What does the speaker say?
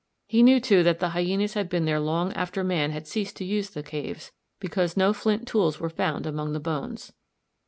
He knew too that the hyænas had been there long after man had ceased to use the caves, because no flint tools were found among the bones.